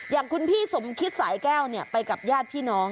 อย่างคุณพี่สมคิดสายแก้วไปกับญาติพี่น้อง